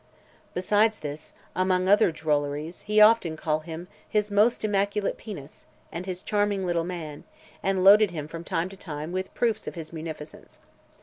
Besides this, among other drolleries, he often called him, "his most immaculate penis," and "his charming little man," and loaded him from time to time with proofs of his munificence.